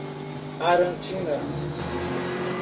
Arantina